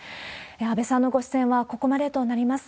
安倍さんのご出演はここまでとなります。